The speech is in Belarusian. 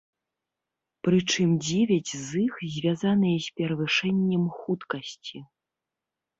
Прычым дзевяць з іх звязаныя з перавышэннем хуткасці.